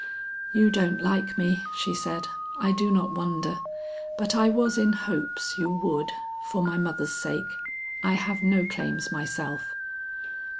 "You don't like me," she said. "I do not wonder, but I was in hopes you would for my mother's sake. I have no claims myself."